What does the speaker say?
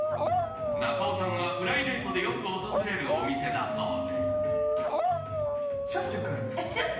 中尾さんがプライベートでよく訪れるお店だそうで。